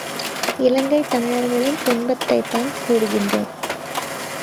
இலங்கைத் தமிழர்களின் துன்பத்தைத்தான் கூறுகின்றோம்.